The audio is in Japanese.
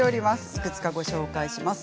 いくつかご紹介します。